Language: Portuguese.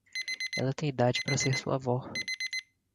Ela tem idade para ser sua vó.